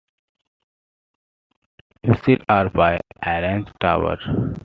Visits are by arranged tour.